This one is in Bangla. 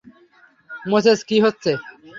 মোসেস, কী হচ্ছে?